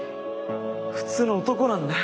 普通の男なんだよ。